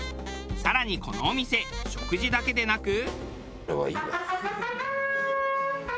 更にこのお店食事だけでなく。